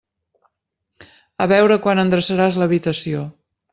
A veure quan endreçaràs l'habitació.